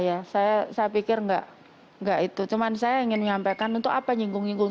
ya saya pikir enggak enggak itu cuman saya ingin menyampaikan untuk apa nyenggung nyenggung